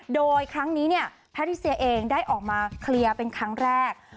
โดยครั้งนี้เนี่ยแพทิเซียเองได้ออกมาเคลียร์เป็นครั้งแรก